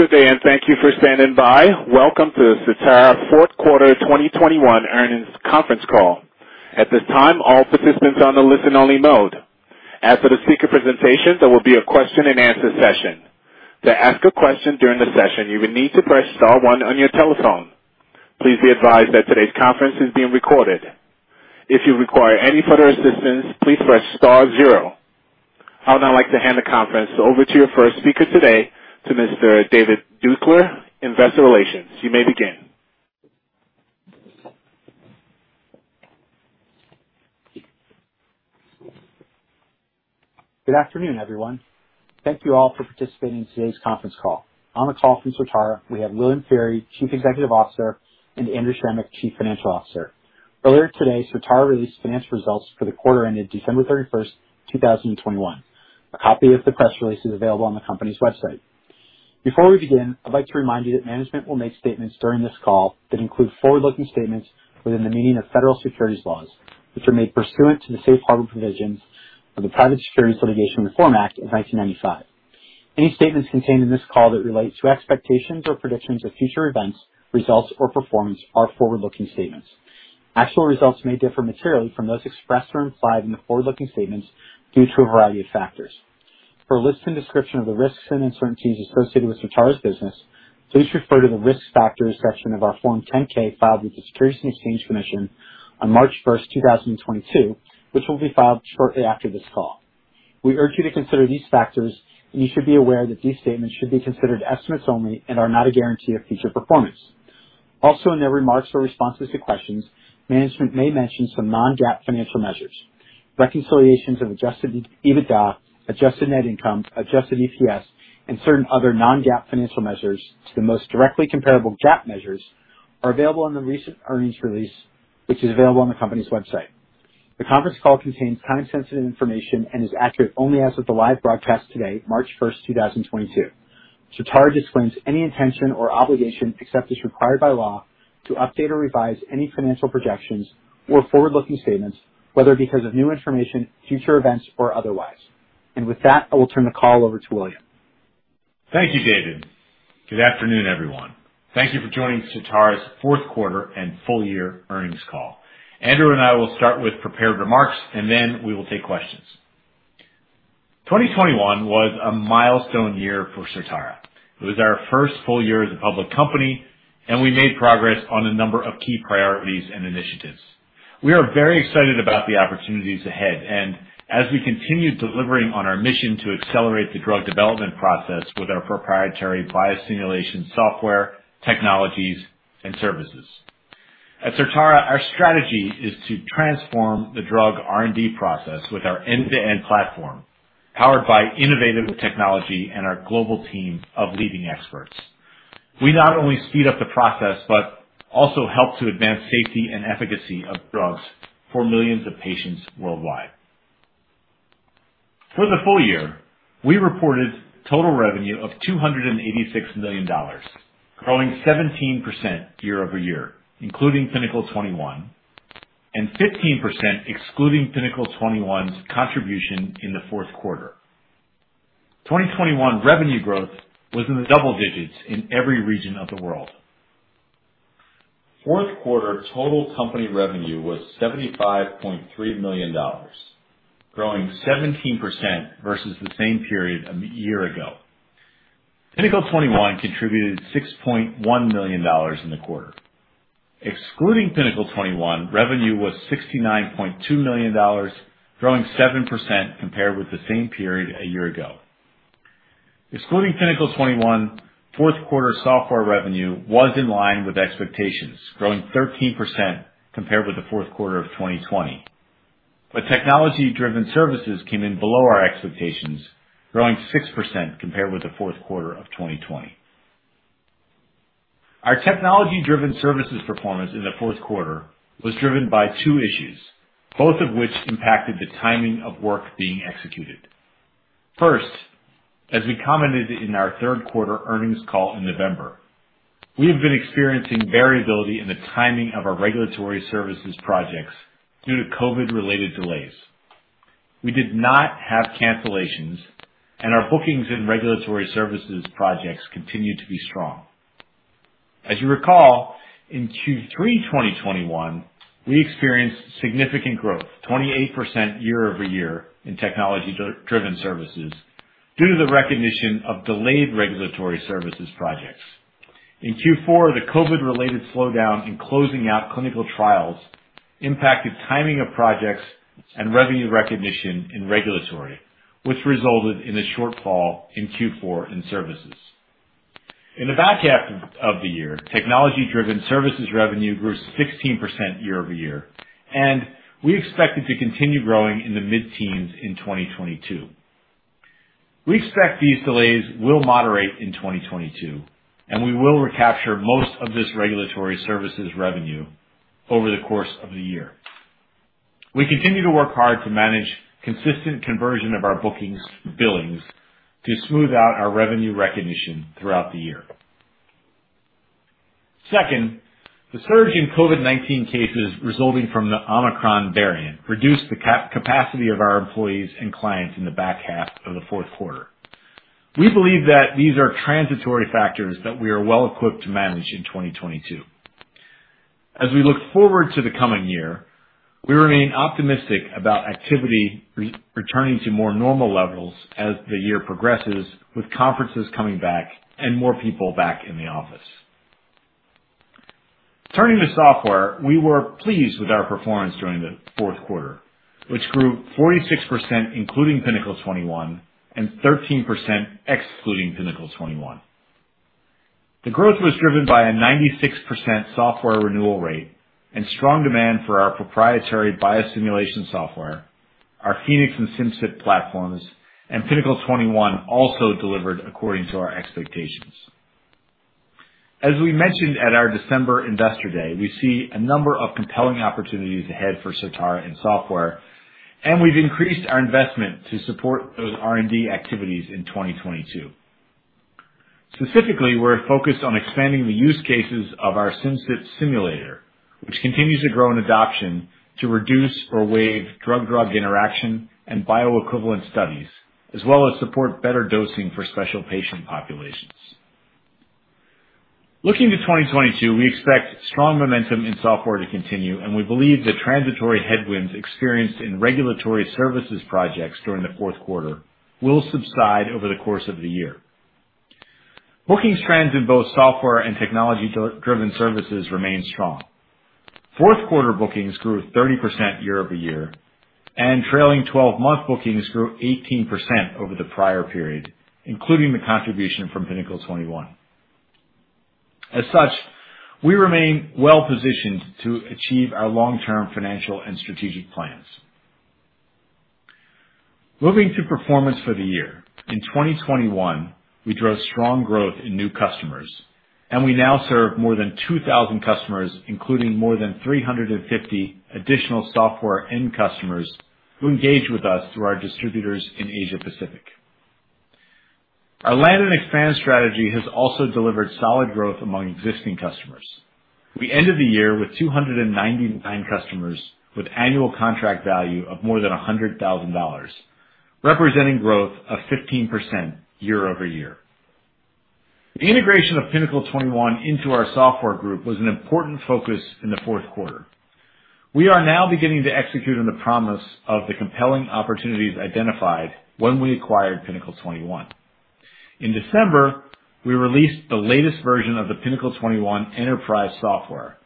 Good day, and thank you for standing by. Welcome to Certara fourth quarter 2021 earnings conference call. At this time, all participants are on a listen-only mode. After the speaker presentation, there will be a question-and-answer session. To ask a question during the session, you will need to press star one on your telephone. Please be advised that today's conference is being recorded. If you require any further assistance, please press star zero. I would now like to hand the conference over to your first speaker today, to Mr. David Deuchler, Investor Relations. You may begin. Good afternoon, everyone. Thank you all for participating in today's conference call. On the call from Certara, we have William Feehery, Chief Executive Officer, and Andrew Schemick, Chief Financial Officer. Earlier today, Certara released financial results for the quarter ended December 31, 2021. A copy of the press release is available on the company's website. Before we begin, I'd like to remind you that management will make statements during this call that include forward-looking statements within the meaning of federal securities laws, which are made pursuant to the safe harbor provisions of the Private Securities Litigation Reform Act of 1995. Any statements contained in this call that relate to expectations or predictions of future events, results, or performance are forward-looking statements. Actual results may differ materially from those expressed or implied in the forward-looking statements due to a variety of factors. For a list and description of the risks and uncertainties associated with Certara's business, please refer to the Risk Factors section of our Form 10-K filed with the Securities and Exchange Commission on March 1st, 2022, which will be filed shortly after this call. We urge you to consider these factors, and you should be aware that these statements should be considered estimates only and are not a guarantee of future performance. Also, in their remarks or responses to questions, management may mention some Non-GAAP financial measures. Reconciliations of adjusted EBITDA, adjusted net income, adjusted EPS, and certain other Non-GAAP financial measures to the most directly comparable GAAP measures are available in the recent earnings release, which is available on the company's website. The conference call contains time-sensitive information and is accurate only as of the live broadcast today, March 1st, 2022. Certara disclaims any intention or obligation, except as required by law, to update or revise any financial projections or forward-looking statements, whether because of new information, future events, or otherwise. With that, I will turn the call over to William. Thank you, David. Good afternoon, everyone. Thank you for joining Certara's fourth quarter and full year earnings call. Andrew and I will start with prepared remarks, and then we will take questions. 2021 was a milestone year for Certara. It was our first full year as a public company, and we made progress on a number of key priorities and initiatives. We are very excited about the opportunities ahead, and as we continue delivering on our mission to accelerate the drug development process with our proprietary biosimulation software, technologies, and services. At Certara, our strategy is to transform the drug R&D process with our end-to-end platform, powered by innovative technology and our global team of leading experts. We not only speed up the process, but also help to advance safety and efficacy of drugs for millions of patients worldwide. For the full year, we reported total revenue of $286 million, growing 17% year-over-year, including Pinnacle 21, and 15% excluding Pinnacle 21's contribution in the fourth quarter. 2021 revenue growth was in the double digits in every region of the world. Fourth quarter total company revenue was $75.3 million, growing 17% versus the same period a year ago. Pinnacle 21 contributed $6.1 million in the quarter. Excluding Pinnacle 21, revenue was $69.2 million, growing 7% compared with the same period a year ago. Excluding Pinnacle 21, fourth quarter software revenue was in line with expectations, growing 13% compared with the fourth quarter of 2020. Technology-driven services came in below our expectations, growing 6% compared with the fourth quarter of 2020. Our technology-driven services performance in the fourth quarter was driven by two issues, both of which impacted the timing of work being executed. First, as we commented in our third quarter earnings call in November, we have been experiencing variability in the timing of our regulatory services projects due to COVID-19-related delays. We did not have cancellations, and our bookings and regulatory services projects continued to be strong. As you recall, in Q3 2021, we experienced significant growth, 28% year-over-year in technology-driven services due to the recognition of delayed regulatory services projects. In Q4, the COVID-19-related slowdown in closing out clinical trials impacted timing of projects and revenue recognition in regulatory, which resulted in a shortfall in Q4 in services. In the back half of the year, technology-driven services revenue grew 16% year-over-year, and we expect it to continue growing in the mid-teens in 2022. We expect these delays will moderate in 2022, and we will recapture most of this regulatory services revenue over the course of the year. We continue to work hard to manage consistent conversion of our bookings billings to smooth out our revenue recognition throughout the year. Second, the surge in COVID-19 cases resulting from the Omicron variant reduced the capacity of our employees and clients in the back half of the fourth quarter. We believe that these are transitory factors that we are well-equipped to manage in 2022. As we look forward to the coming year, we remain optimistic about activity returning to more normal levels as the year progresses, with conferences coming back and more people back in the office. Turning to software, we were pleased with our performance during the fourth quarter, which grew 46%, including Pinnacle 21, and 13% excluding Pinnacle 21. The growth was driven by a 96% software renewal rate and strong demand for our proprietary biosimulation software, our Phoenix and Simcyp platforms, and Pinnacle 21 also delivered according to our expectations. As we mentioned at our December Investor Day, we see a number of compelling opportunities ahead for Certara and software, and we've increased our investment to support those R&D activities in 2022. Specifically, we're focused on expanding the use cases of our Simcyp Simulator, which continues to grow in adoption to reduce or waive drug-drug interaction and bioequivalent studies, as well as support better dosing for special patient populations. Looking to 2022, we expect strong momentum in software to continue, and we believe the transitory headwinds experienced in regulatory services projects during the fourth quarter will subside over the course of the year. Booking trends in both software and technology-driven services remain strong. Fourth quarter bookings grew 30% year-over-year, and trailing 12-month bookings grew 18% over the prior period, including the contribution from Pinnacle 21. As such, we remain well-positioned to achieve our long-term financial and strategic plans. Moving to performance for the year. In 2021, we drove strong growth in new customers, and we now serve more than 2,000 customers, including more than 350 additional software end customers who engage with us through our distributors in Asia Pacific. Our land and expand strategy has also delivered solid growth among existing customers. We ended the year with 299 customers with annual contract value of more than $100,000, representing growth of 15% year-over-year. The integration of Pinnacle 21 into our software group was an important focus in the fourth quarter. We are now beginning to execute on the promise of the compelling opportunities identified when we acquired Pinnacle 21. In December, we released the latest version of the Pinnacle 21 Enterprise software,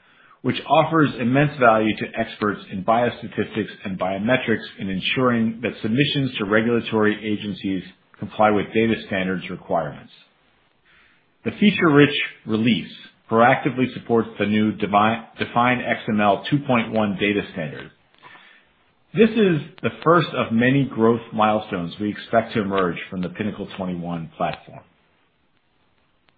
which offers immense value to experts in biostatistics and biometrics in ensuring that submissions to regulatory agencies comply with data standards requirements. The feature-rich release proactively supports the new Define-XML 2.1 data standard. This is the first of many growth milestones we expect to emerge from the Pinnacle 21 platform.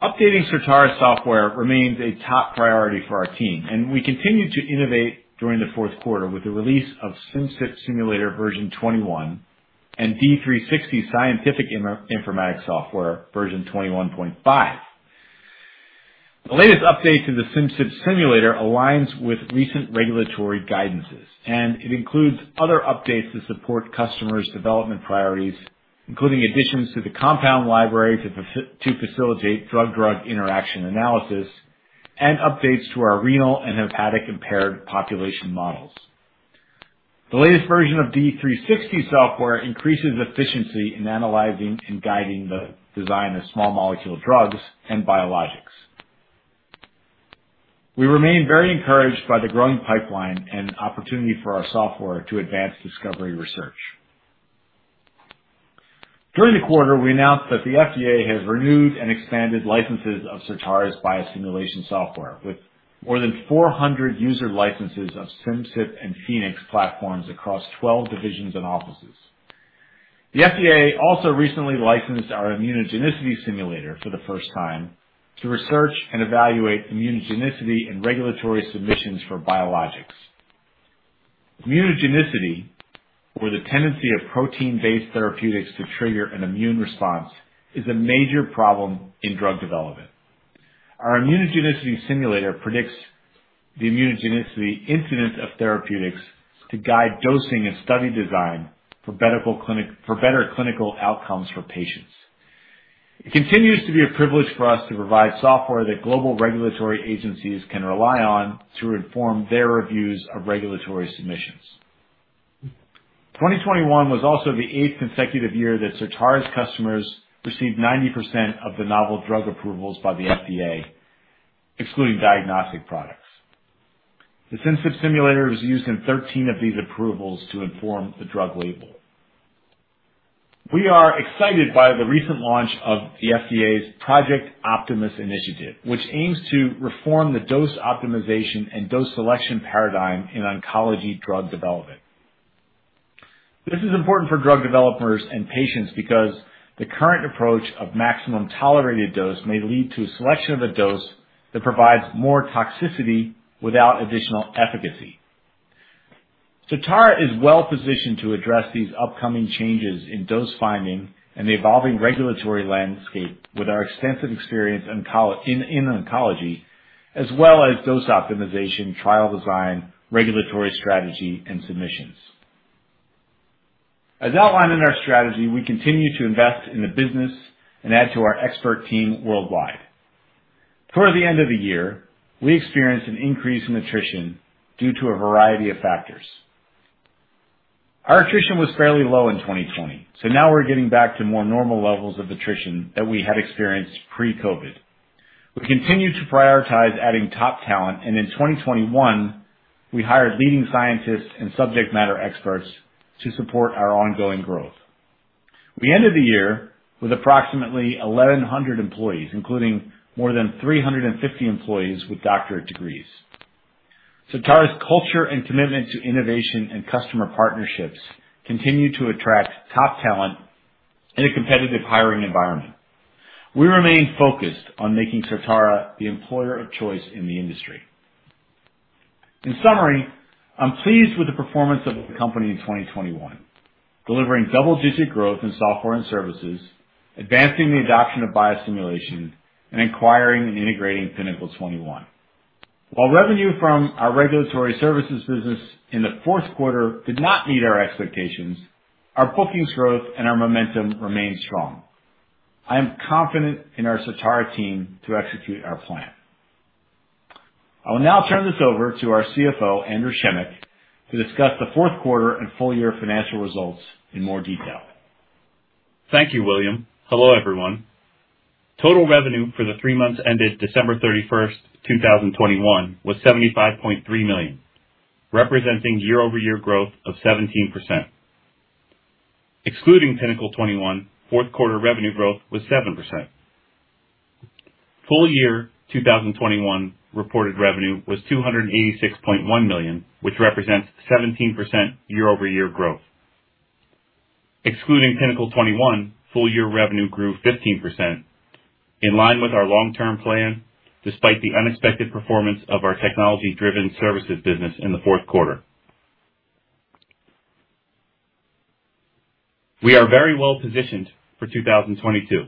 Updating Certara software remains a top priority for our team, and we continue to innovate during the fourth quarter with the release of Simcyp Simulator version 21 and D360 Scientific Informatics Software version 21.5. The latest update to the Simcyp Simulator aligns with recent regulatory guidances, and it includes other updates to support customers' development priorities, including additions to the compound library to facilitate drug-drug interaction analysis and updates to our renal and hepatic-impaired population models. The latest version of D360 software increases efficiency in analyzing and guiding the design of small molecule drugs and biologics. We remain very encouraged by the growing pipeline and opportunity for our software to advance discovery research. During the quarter, we announced that the FDA has renewed and expanded licenses of Certara's biosimulation software with more than 400 user licenses of Simcyp and Phoenix platforms across 12 divisions and offices. The FDA also recently licensed our immunogenicity simulator for the first time to research and evaluate immunogenicity and regulatory submissions for biologics. Immunogenicity, or the tendency of protein-based therapeutics to trigger an immune response, is a major problem in drug development. Our immunogenicity simulator predicts the immunogenicity incidence of therapeutics to guide dosing and study design for better clinical outcomes for patients. It continues to be a privilege for us to provide software that global regulatory agencies can rely on to inform their reviews of regulatory submissions. 2021 was also the eighth consecutive year that Certara's customers received 90% of the novel drug approvals by the FDA, excluding diagnostic products. The Simcyp Simulator was used in 13 of these approvals to inform the drug label. We are excited by the recent launch of the FDA's Project Optimus initiative, which aims to reform the dose optimization and dose selection paradigm in oncology drug development. This is important for drug developers and patients because the current approach of maximum tolerated dose may lead to selection of a dose that provides more toxicity without additional efficacy. Certara is well positioned to address these upcoming changes in dose finding and the evolving regulatory landscape with our extensive experience in oncology as well as dose optimization, trial design, regulatory strategy and submissions. As outlined in our strategy, we continue to invest in the business and add to our expert team worldwide. Toward the end of the year, we experienced an increase in attrition due to a variety of factors. Our attrition was fairly low in 2020, so now we're getting back to more normal levels of attrition that we had experienced pre-COVID. We continue to prioritize adding top talent, and in 2021, we hired leading scientists and subject matter experts to support our ongoing growth. We ended the year with approximately 1,100 employees, including more than 350 employees with doctorate degrees. Certara's culture and commitment to innovation and customer partnerships continue to attract top talent in a competitive hiring environment. We remain focused on making Certara the employer of choice in the industry. In summary, I'm pleased with the performance of the company in 2021, delivering double-digit growth in software and services, advancing the adoption of biosimulation and acquiring and integrating Pinnacle 21. While revenue from our regulatory services business in the fourth quarter did not meet our expectations, our bookings growth and our momentum remained strong. I am confident in our Certara team to execute our plan. I will now turn this over to our CFO, Andrew Schemick, to discuss the fourth quarter and full-year financial results in more detail. Thank you, William. Hello, everyone. Total revenue for the three months ended December 31, 2021 was $75.3 million, representing year-over-year growth of 17%. Excluding Pinnacle 21, fourth quarter revenue growth was 7%. Full year 2021 reported revenue was $286.1 million, which represents 17% year-over-year growth. Excluding Pinnacle 21, full-year revenue grew 15% in line with our long term plan despite the unexpected performance of our technology-driven services business in the fourth quarter. We are very well positioned for 2022,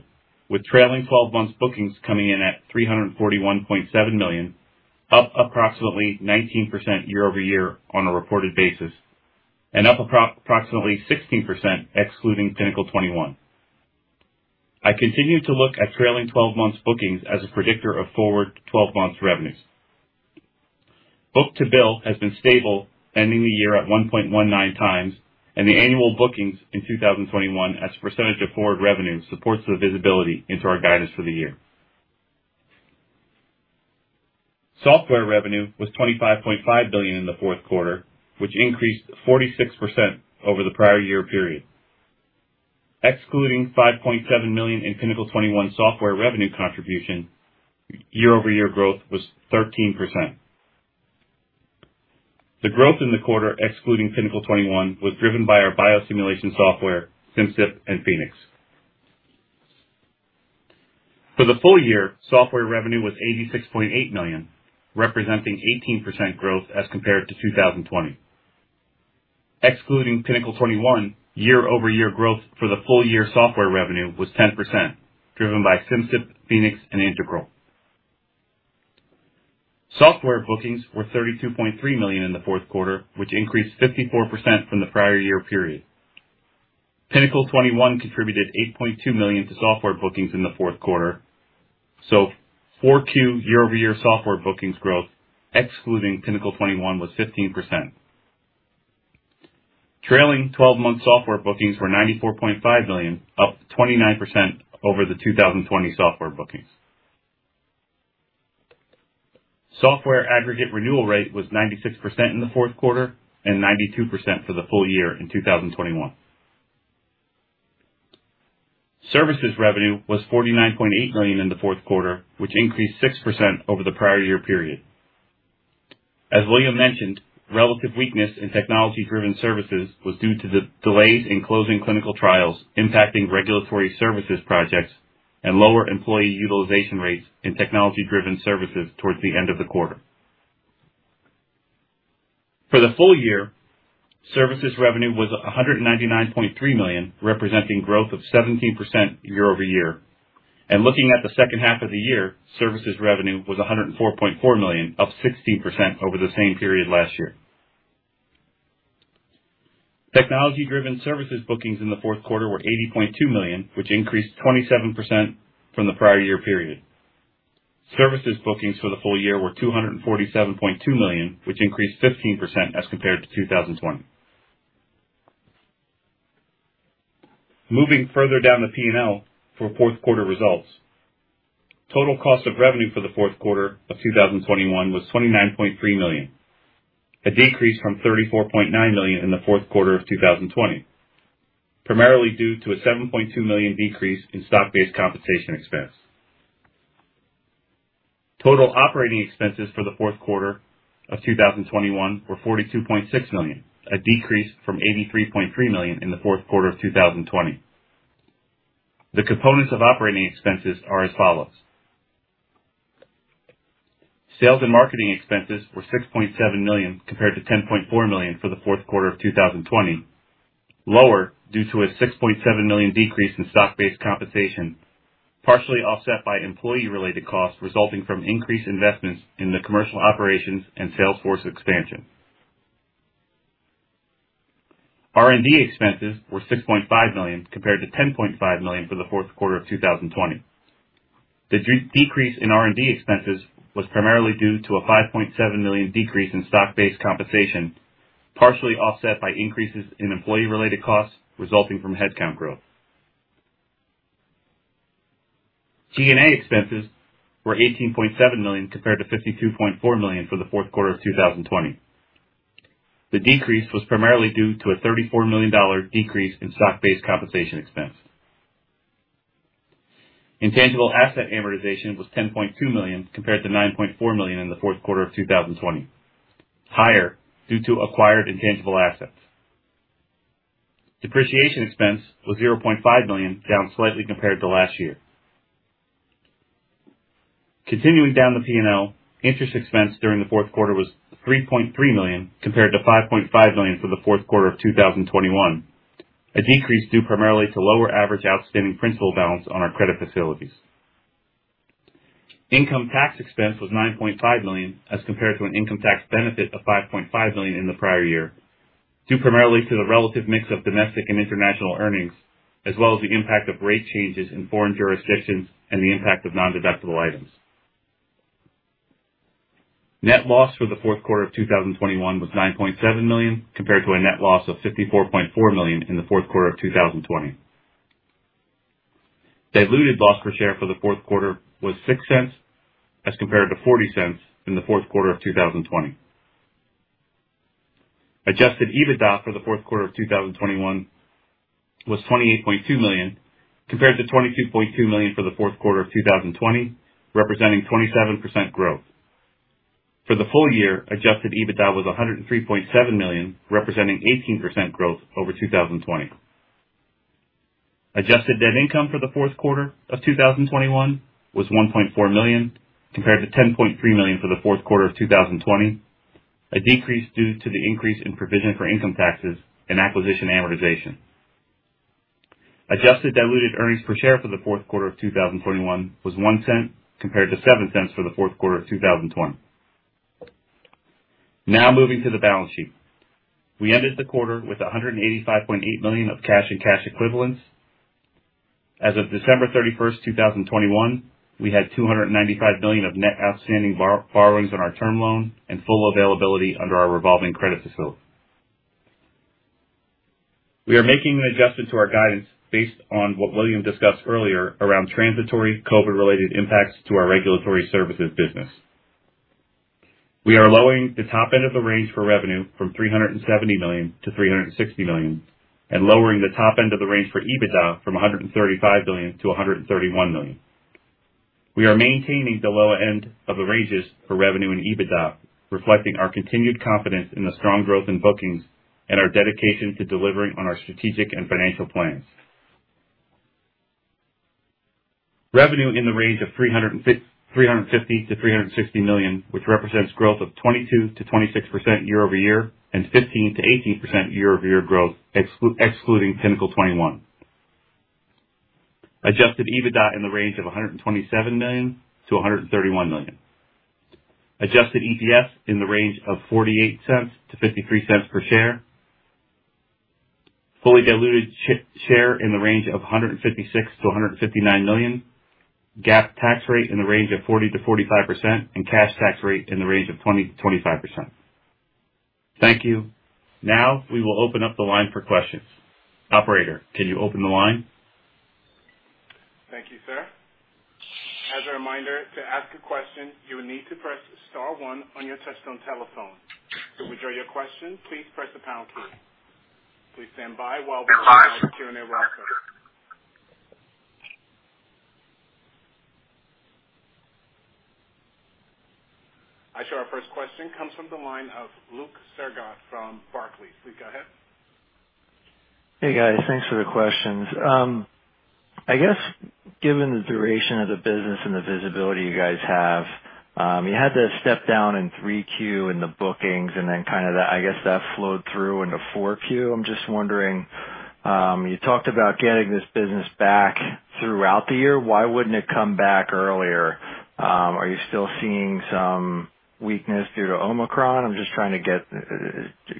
with trailing twelve months bookings coming in at $341.7 million, up approximately 19% year-over-year on a reported basis, and up approximately 16% excluding Pinnacle 21. I continue to look at trailing twelve months bookings as a predictor of forward twelve months revenues. Book-to-bill has been stable, ending the year at 1.19 times, and the annual bookings in 2021 as a percentage of forward revenue supports the visibility into our guidance for the year. Software revenue was $25.5 million in the fourth quarter, which increased 46% over the prior year period. Excluding $5.7 million in Pinnacle 21 software revenue contribution, year-over-year growth was 13%. The growth in the quarter, excluding Pinnacle 21, was driven by our biosimulation software, Simcyp and Phoenix. For the full year, software revenue was $86.8 million, representing 18% growth as compared to 2020. Excluding Pinnacle 21, year-over-year growth for the full year software revenue was 10%, driven by Simcyp, Phoenix and Integral. Software bookings were $32.3 million in the fourth quarter, which increased 54% from the prior year period. Pinnacle 21 contributed $8.2 million to software bookings in the fourth quarter. Q4 year-over-year software bookings growth excluding Pinnacle 21 was 15%. Trailing twelve-month software bookings were $94.5 million, up 29% over the 2020 software bookings. Software aggregate renewal rate was 96% in the fourth quarter and 92% for the full year in 2021. Services revenue was $49.8 million in the fourth quarter, which increased 6% over the prior year period. As William mentioned, relative weakness in technology-driven services was due to the delays in closing clinical trials impacting regulatory services projects and lower employee utilization rates in technology-driven services towards the end of the quarter. For the full year, services revenue was $199.3 million, representing growth of 17% year-over-year. Looking at the second half of the year, services revenue was $104.4 million, up 16% over the same period last year. Technology-driven services bookings in the fourth quarter were $80.2 million, which increased 27% from the prior year period. Services bookings for the full year were $247.2 million, which increased 15% as compared to 2020. Moving further down the P&L for fourth quarter results. Total cost of revenue for the fourth quarter of 2021 was $29.3 million, a decrease from $34.9 million in the fourth quarter of 2020, primarily due to a $7.2 million decrease in stock-based compensation expense. Total operating expenses for the fourth quarter of 2021 were $42.6 million, a decrease from $83.3 million in the fourth quarter of 2020. The components of operating expenses are as follows. Sales and marketing expenses were $6.7 million compared to $10.4 million for the fourth quarter of 2020, lower due to a $6.7 million decrease in stock-based compensation, partially offset by employee-related costs resulting from increased investments in the commercial operations and sales force expansion. R&D expenses were $6.5 million compared to $10.5 million for the fourth quarter of 2020. The decrease in R&D expenses was primarily due to a $5.7 million decrease in stock-based compensation, partially offset by increases in employee-related costs resulting from headcount growth. SG&A expenses were $18.7 million compared to $52.4 million for the fourth quarter of 2020. The decrease was primarily due to a $34 million decrease in stock-based compensation expense. Intangible asset amortization was $10.2 million compared to $9.4 million in the fourth quarter of 2020, higher due to acquired intangible assets. Depreciation expense was $0.5 million, down slightly compared to last year. Continuing down the P&L, interest expense during the fourth quarter was $3.3 million compared to $5.5 million for the fourth quarter of 2021, a decrease due primarily to lower average outstanding principal balance on our credit facilities. Income tax expense was $9.5 million as compared to an income tax benefit of $5.5 million in the prior year, due primarily to the relative mix of domestic and international earnings, as well as the impact of rate changes in foreign jurisdictions and the impact of nondeductible items. Net loss for the fourth quarter of 2021 was $9.7 million compared to a net loss of $54.4 million in the fourth quarter of 2020. Diluted loss per share for the fourth quarter was $0.06 as compared to $0.40 in the fourth quarter of 2020. Adjusted EBITDA for the fourth quarter of 2021 was $28.2 million compared to $22.2 million for the fourth quarter of 2020, representing 27% growth. For the full year, adjusted EBITDA was $103.7 million, representing 18% growth over 2020. Adjusted net income for the fourth quarter of 2021 was $1.4 million compared to $10.3 million for the fourth quarter of 2020, a decrease due to the increase in provision for income taxes and acquisition amortization. Adjusted diluted earnings per share for the fourth quarter of 2021 was $0.01 compared to $0.07 for the fourth quarter of 2020. Now moving to the balance sheet. We ended the quarter with $185.8 million of cash and cash equivalents. As of December 31, 2021, we had $295 million of net outstanding borrowings on our term loan and full availability under our revolving credit facility. We are making an adjustment to our guidance based on what William discussed earlier around transitory COVID-related impacts to our regulatory services business. We are lowering the top end of the range for revenue from $370 million to $360 million and lowering the top end of the range for EBITDA from $135 million to $131 million. We are maintaining the lower end of the ranges for revenue and EBITDA, reflecting our continued confidence in the strong growth in bookings and our dedication to delivering on our strategic and financial plans. Revenue in the range of $350 million-$360 million, which represents growth of 22%-26% year-over-year and 15%-18% year-over-year growth, excluding Pinnacle 21. Adjusted EBITDA in the range of $127 million-$131 million. Adjusted EPS in the range of $0.48-$0.53 per share. Fully diluted share in the range of 156 million-159 million. GAAP tax rate in the range of 40%-45% and cash tax rate in the range of 20%-25%. Thank you. Now we will open up the line for questions. Operator, can you open the line? Thank you, sir. As a reminder, to ask a question, you will need to press star one on your touchtone telephone. To withdraw your question, please press the pound key. Please stand by while we begin our Q&A process. Our first question comes from the line of Luke Sergott from Barclays. Please go ahead. Hey, guys. Thanks for the questions. I guess given the duration of the business and the visibility you guys have, you had to step down in Q3 in the bookings and then kind of that flowed through into Q4. I'm just wondering, you talked about getting this business back throughout the year. Why wouldn't it come back earlier? Are you still seeing some weakness due to Omicron? I'm just trying to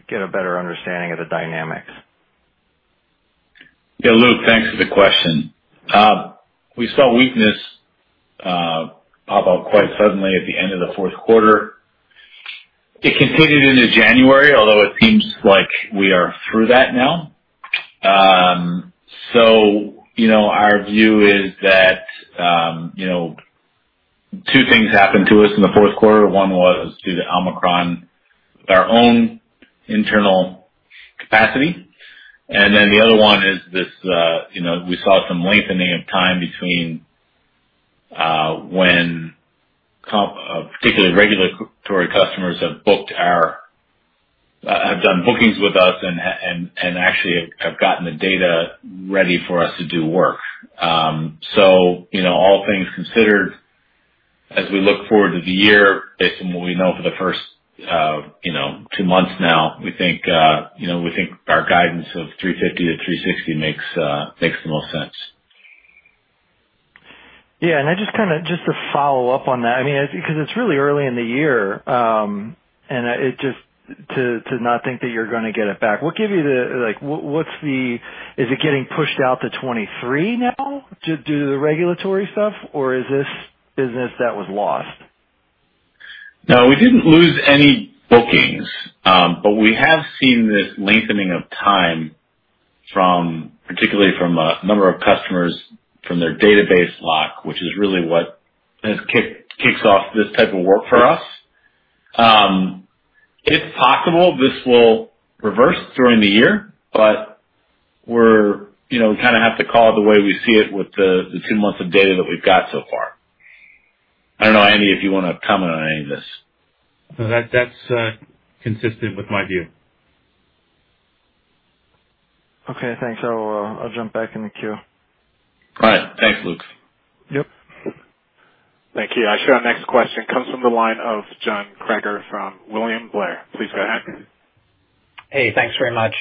get a better understanding of the dynamics. Yeah, Luke, thanks for the question. We saw weakness pop up quite suddenly at the end of the fourth quarter. It continued into January, although it seems like we are through that now. You know, our view is that, you know, two things happened to us in the fourth quarter. One was due to Omicron, our own internal capacity, and then the other one is this, you know, we saw some lengthening of time between when particularly regulatory customers have booked our Have done bookings with us and actually have gotten the data ready for us to do work. You know, all things considered, as we look forward to the year based on what we know for the first, you know, two months now, we think, you know, our guidance of $350-$360 makes the most sense. Yeah. Just to follow up on that, I mean, it's because it's really early in the year, and it's just to not think that you're gonna get it back. What gives you the, like, what's the. Is it getting pushed out to 2023 now due to the regulatory stuff, or is this business that was lost? No, we didn't lose any bookings, but we have seen this lengthening of time from, particularly from a number of customers from their database lock, which is really what kind of kicks off this type of work for us. It's possible this will reverse during the year, but we're, you know, we kinda have to call it the way we see it with the two months of data that we've got so far. I don't know, Andy, if you wanna comment on any of this. No, that's consistent with my view. Okay, thanks. I'll jump back in the queue. All right. Thanks, Luke. Yep. Thank you. Our next question comes from the line of John Kreger from William Blair. Please go ahead. Hey. Thanks very much.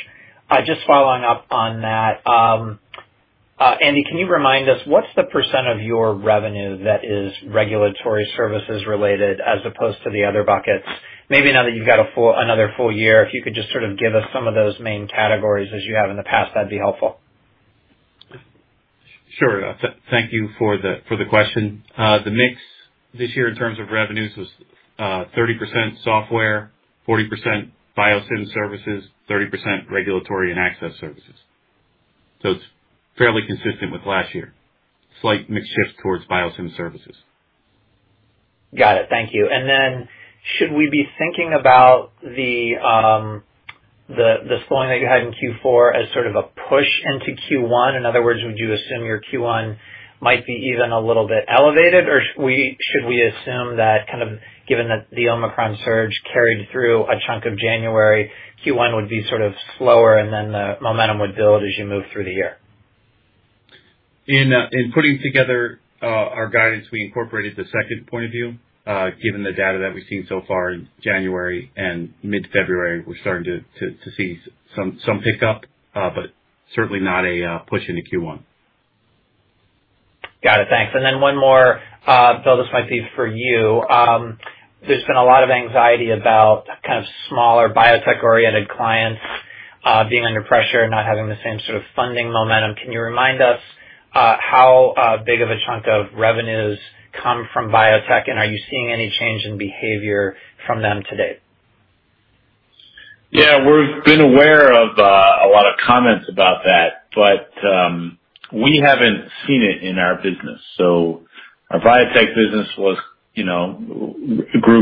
Just following up on that, Andy, can you remind us what's the % of your revenue that is regulatory services related as opposed to the other buckets? Maybe now that you've got another full year, if you could just sort of give us some of those main categories as you have in the past, that'd be helpful. Sure. Thank you for the question. The mix this year in terms of revenues was 30% software, 40% Biosim services, 30% regulatory and access services. It's fairly consistent with last year. Slight mix shift towards Biosim services. Got it. Thank you. Should we be thinking about the slowing that you had in Q4 as sort of a push into Q1? In other words, would you assume your Q1 might be even a little bit elevated, or should we assume that kind of given that the Omicron surge carried through a chunk of January, Q1 would be sort of slower and then the momentum would build as you move through the year? In putting together our guidance, we incorporated the second point of view. Given the data that we've seen so far in January and mid-February, we're starting to see some pickup, but certainly not a push into Q1. Got it. Thanks. One more, Bill, this might be for you. There's been a lot of anxiety about kind of smaller biotech-oriented clients being under pressure and not having the same sort of funding momentum. Can you remind us how big of a chunk of revenues come from biotech, and are you seeing any change in behavior from them today? Yeah. We've been aware of a lot of comments about that, but we haven't seen it in our business. Our biotech business grew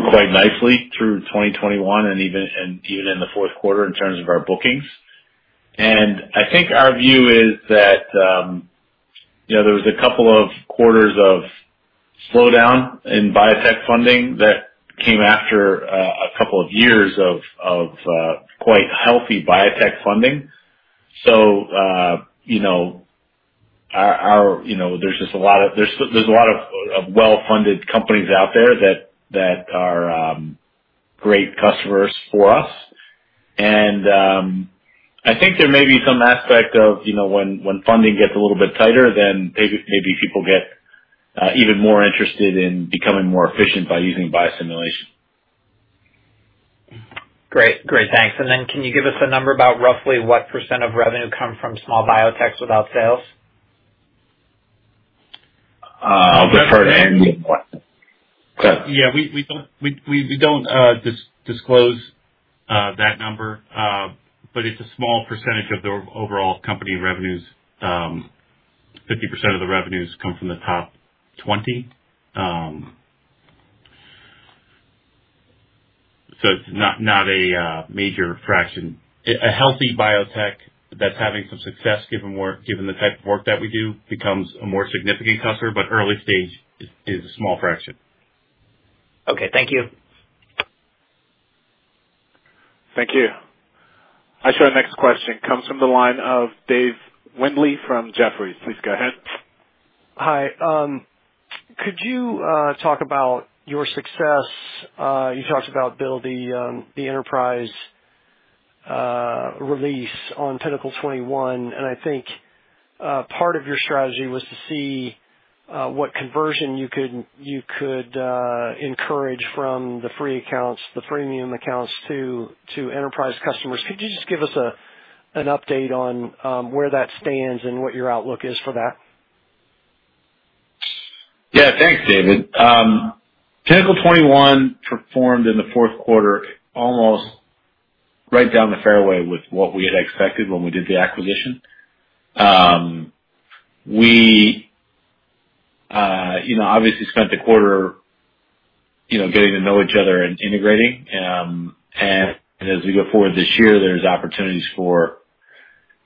quite nicely through 2021 and even in the fourth quarter in terms of our bookings. I think our view is that you know, there was a couple of quarters of slowdown in biotech funding that came after a couple of years of quite healthy biotech funding. You know, there's just a lot of well-funded companies out there that are great customers for us. I think there may be some aspect of you know, when funding gets a little bit tighter, then maybe people get even more interested in becoming more efficient by using biosimulation. Great. Thanks. Can you give us a number about roughly what % of revenue come from small biotechs without sales? Referred annually? We don't disclose that number, but it's a small percentage of the overall company revenues. 50% of the revenues come from the top 20. So it's not a major fraction. A healthy biotech that's having some success given the type of work that we do becomes a more significant customer, but early stage is a small fraction. Okay. Thank you. Thank you. Our next question comes from the line of Dave Windley from Jefferies. Please go ahead. Hi. Could you talk about your success? You talked about, Bill, the Enterprise release on Pinnacle 21, and I think part of your strategy was to see what conversion you could encourage from the free accounts, the premium accounts to Enterprise customers. Could you just give us an update on where that stands and what your outlook is for that? Yeah. Thanks, David. Pinnacle 21 performed in the fourth quarter almost right down the fairway with what we had expected when we did the acquisition. We, you know, obviously spent the quarter, you know, getting to know each other and integrating. As we go forward this year, there's opportunities for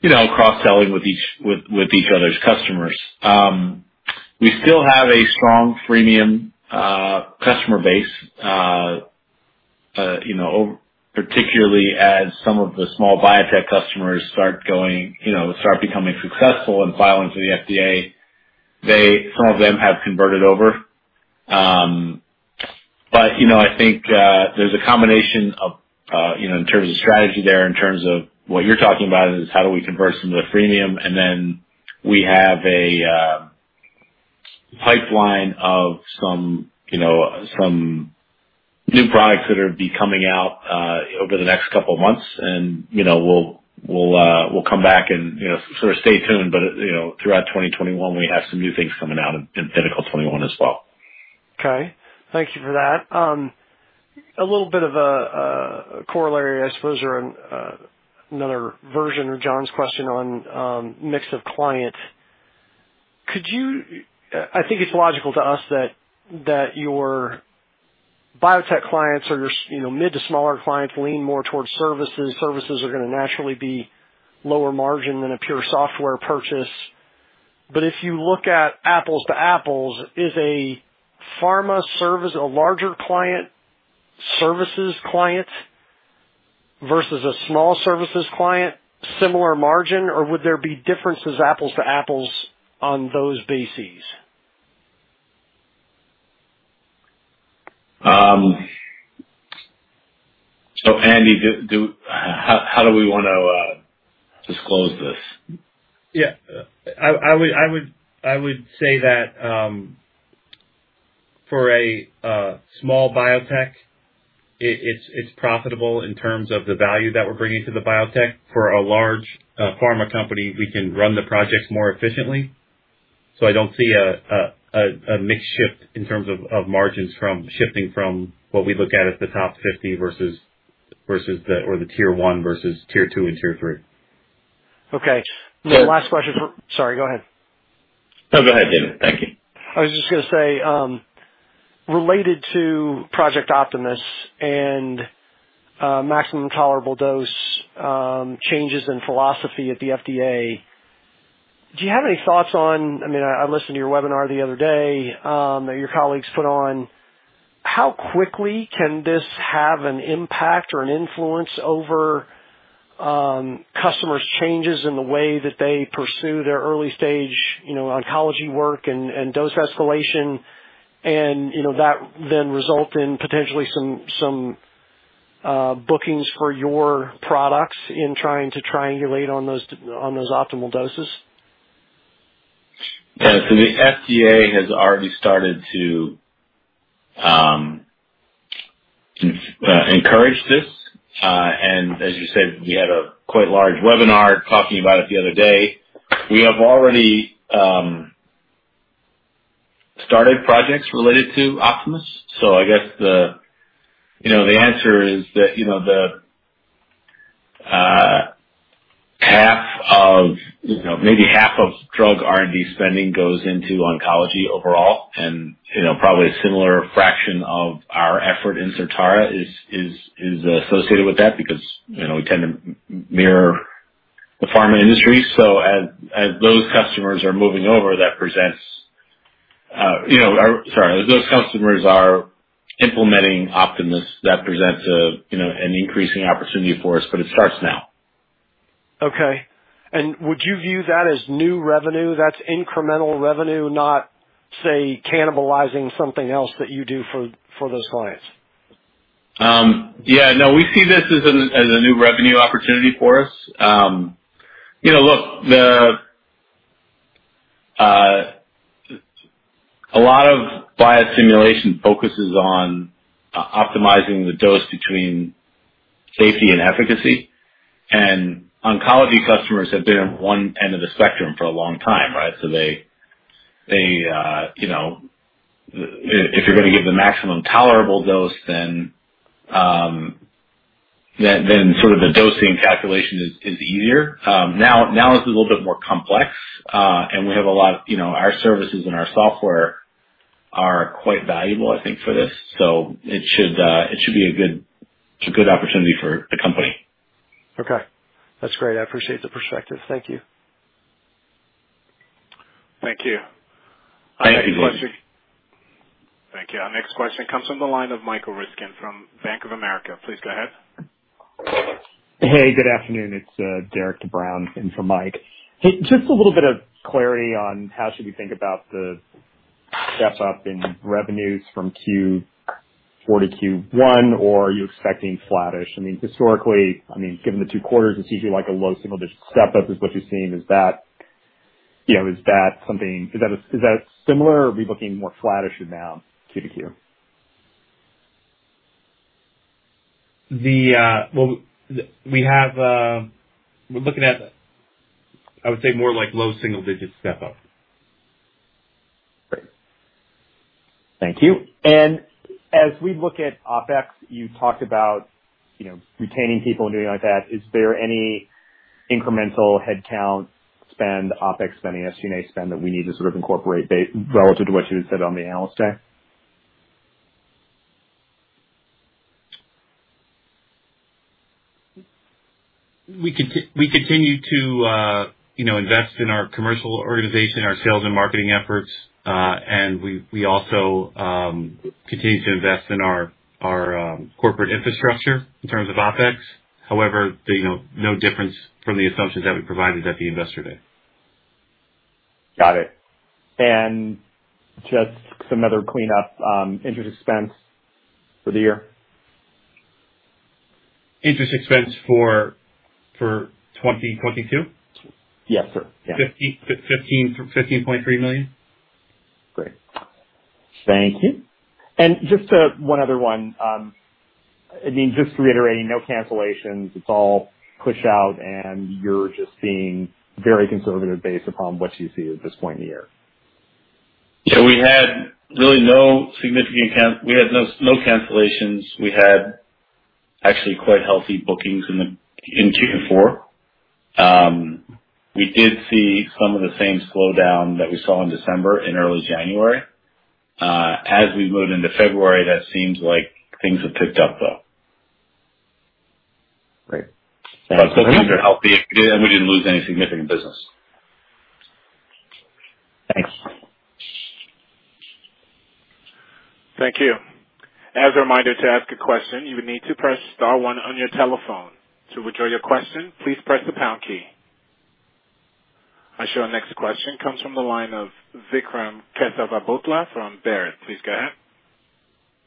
you know, cross-selling with each other's customers. We still have a strong freemium customer base, you know, over particularly as some of the small biotech customers start going, you know, start becoming successful and filing to the FDA. Some of them have converted over. You know, I think, there's a combination of, you know, in terms of strategy there, in terms of what you're talking about is how do we convert some to the freemium. We have a pipeline of some, you know, some new products that are coming out over the next couple of months. You know, we'll come back and, you know, sort of stay tuned. You know, throughout 2021 we have some new things coming out in Pinnacle 21 as well. Okay. Thank you for that. A little bit of a corollary, I suppose, or another version of John's question on mix of clients. I think it's logical to us that your biotech clients or your you know, mid to smaller clients lean more towards services. Services are gonna naturally be lower margin than a pure software purchase. But if you look at apples to apples, is a pharma service, a larger client, services client versus a small services client, similar margin? Or would there be differences, apples to apples, on those bases? Andy, how do we wanna disclose this? Yeah. I would say that for a small biotech, it's profitable in terms of the value that we're bringing to the biotech. For a large pharma company we can run the projects more efficiently, so I don't see a mix shift in terms of margins from shifting from what we look at as the top fifty versus or the tier one versus tier two and tier three. Okay. So the las question...Sorry, go ahead. No, go ahead, David. Thank you. I was just gonna say, related to Project Optimus and maximum tolerated dose, changes in philosophy at the FDA, do you have any thoughts on, I mean, I listened to your webinar the other day, that your colleagues put on. How quickly can this have an impact or an influence over, customers changes in the way that they pursue their early stage, you know, oncology work and dose escalation and, you know, that then result in potentially some bookings for your products in trying to triangulate on those optimal doses? Yeah. The FDA has already started to encourage this. As you said, we had a quite large webinar talking about it the other day. We have already started projects related to Optimus. I guess the answer is that, you know, the half of, you know, maybe half of drug R&D spending goes into oncology overall. You know, probably a similar fraction of our effort in Certara is associated with that because, you know, we tend to mirror the pharma industry. As those customers are implementing Optimus, that presents a, you know, an increasing opportunity for us, but it starts now. Okay. Would you view that as new revenue, that's incremental revenue, not, say, cannibalizing something else that you do for those clients? Yeah, no, we see this as a new revenue opportunity for us. You know, look, a lot of biosimulation focuses on optimizing the dose between safety and efficacy. Oncology customers have been at one end of the spectrum for a long time, right? They, you know, if you're gonna give the maximum tolerable dose, then sort of the dosing calculation is easier. Now it's a little bit more complex. We have a lot of, you know, our services and our software are quite valuable, I think, for this. It should be a good opportunity for the company. Okay. That's great. I appreciate the perspective. Thank you. Thank you. Our next question. Thank you. Thank you. Our next question comes from the line of Michael Ryskin from Bank of America. Please go ahead. Hey, good afternoon. It's Derik De Bruin in for Michael Ryskin. Hey, just a little bit of clarity on how should we think about the step-up in revenues from Q4 Q1, or are you expecting flattish? I mean, historically, I mean, given the two quarters, it seems like a low single digit step-up is what you're seeing. Is that something? Is that similar or are we looking more flattish now Q to Q? Well, we're looking at, I would say more like low single digit step-up. Great. Thank you. As we look at OpEx, you talked about, you know, retaining people and doing like that. Is there any incremental headcount spend, OpEx spending, SG&A spend that we need to sort of incorporate relative to what you had said on the analyst day? We continue to, you know, invest in our commercial organization, our sales and marketing efforts. We also continue to invest in our corporate infrastructure in terms of OpEx. However, you know, no difference from the assumptions that we provided at the investor day. Got it. Just some other cleanup, interest expense for the year. Interest expense for 2022? Yes, sir. Yeah. $15.3 million. Great. Thank you. Just, one other one. I mean, just reiterating, no cancellations, it's all push out and you're just being very conservative based upon what you see at this point in the year. Yeah. We had really no significant cancellations. We had actually quite healthy bookings in Q4. We did see some of the same slowdown that we saw in December, in early January. As we moved into February, that seems like things have picked up, though. Great. healthy, and we didn't lose any significant business. Thanks. Thank you. As a reminder, to ask a question, you would need to press star one on your telephone. To withdraw your question, please press the pound key. I show our next question comes from the line of Vikram Kesavabhotla from Baird. Please go ahead.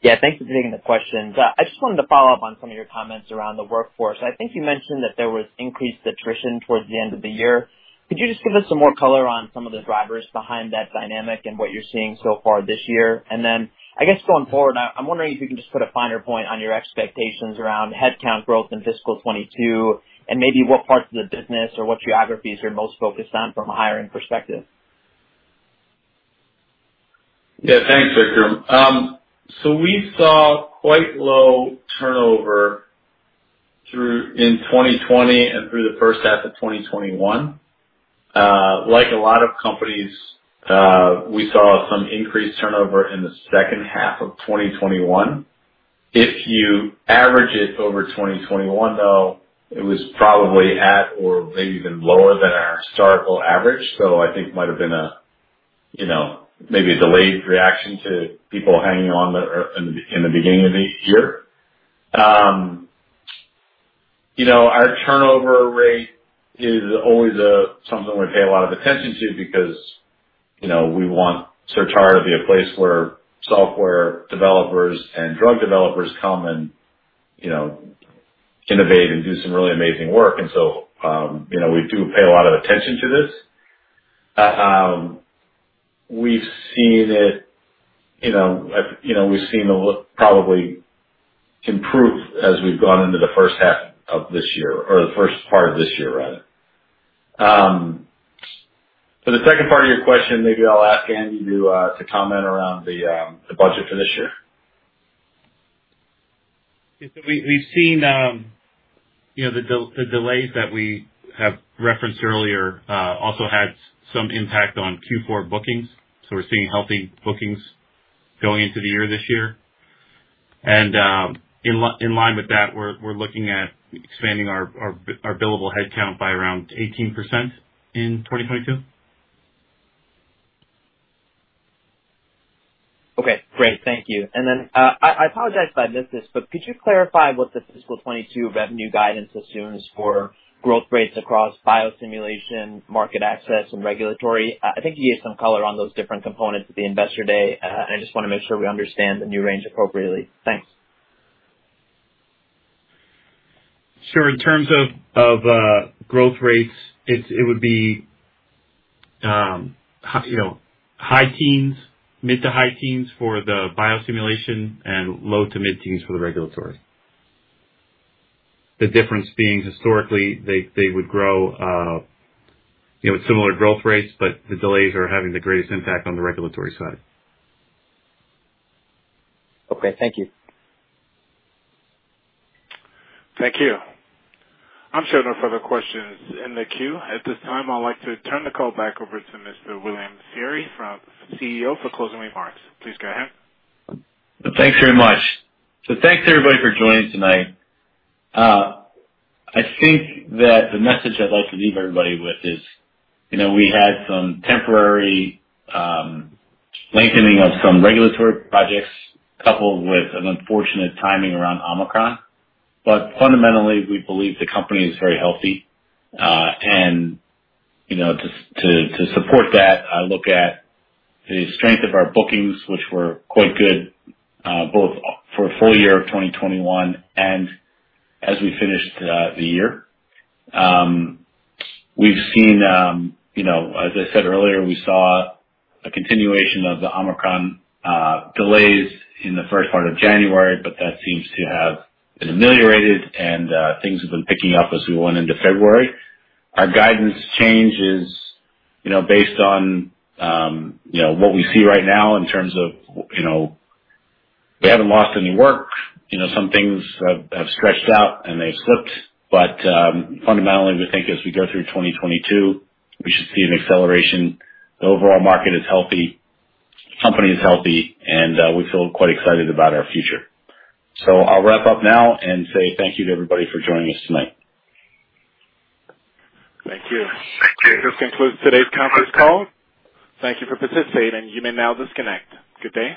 Yeah, thanks for taking the questions. I just wanted to follow up on some of your comments around the workforce. I think you mentioned that there was increased attrition towards the end of the year. Could you just give us some more color on some of the drivers behind that dynamic and what you're seeing so far this year? I guess going forward, I'm wondering if you can just put a finer point on your expectations around headcount growth in fiscal 2022 and maybe what parts of the business or what geographies you're most focused on from a hiring perspective. Yeah, thanks, Vikram. We saw quite low turnover through in 2020 and through the first half of 2021. Like a lot of companies, we saw some increased turnover in the second half of 2021. If you average it over 2021, though, it was probably at or maybe even lower than our historical average. I think it might have been a, you know, maybe a delayed reaction to people hanging on there in the beginning of the year. You know, our turnover rate is always something we pay a lot of attention to because, you know, we want Certara to be a place where software developers and drug developers come and, you know, innovate and do some really amazing work. You know, we do pay a lot of attention to this. We've seen it, you know, we've seen probably improve as we've gone into the first half of this year or the first part of this year rather. For the second part of your question, maybe I'll ask Andrew to comment around the budget for this year. Yeah. We've seen, you know, the delays that we have referenced earlier also had some impact on Q4 bookings. We're seeing healthy bookings going into the year this year. In line with that, we're looking at expanding our billable headcount by around 18% in 2022. Okay. Great. Thank you. I apologize if I missed this, but could you clarify what the fiscal 2022 revenue guidance assumes for growth rates across biosimulation, market access, and regulatory? I think you gave some color on those different components at the investor day. I just wanna make sure we understand the new range appropriately. Thanks. Sure. In terms of growth rates, it would be, you know, high teens, mid- to high-teens for the biosimulation and low- to mid-teens for the regulatory. The difference being historically they would grow similar growth rates, but the delays are having the greatest impact on the regulatory side. Okay. Thank you. Thank you. I'm showing no further questions in the queue. At this time, I'd like to turn the call back over to Mr. William Feehery, CEO for closing remarks. Please go ahead. Thanks very much. Thanks everybody for joining tonight. I think that the message I'd like to leave everybody with is, you know, we had some temporary lengthening of some regulatory projects coupled with an unfortunate timing around Omicron. Fundamentally, we believe the company is very healthy. You know, to support that, I look at the strength of our bookings, which were quite good, both for the full year of 2021 and as we finished the year. We've seen, you know, as I said earlier, we saw a continuation of the Omicron delays in the first part of January, but that seems to have been ameliorated and things have been picking up as we went into February. Our guidance change is, you know, based on, you know, what we see right now in terms of, you know, we haven't lost any work. You know, some things have stretched out and they've slipped. But fundamentally, we think as we go through 2022, we should see an acceleration. The overall market is healthy, company is healthy, and we feel quite excited about our future. I'll wrap up now and say thank you to everybody for joining us tonight. Thank you. Thank you. This concludes today's conference call. Thank you for participating. You may now disconnect. Good day.